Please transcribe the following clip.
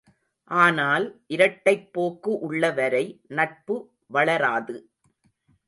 ஆனால் இரட்டைப் போக்கு உள்ளவரை நட்பு வளராது!